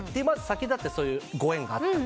先だってそういうご縁があって。